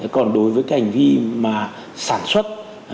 còn đối với cái hành vi mà sản xuất